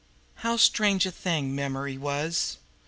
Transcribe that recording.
How strange a thing memory was!